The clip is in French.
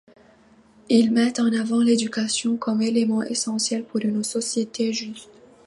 Ils mettent en avant l'éducation comme élément essentiel pour une société juste.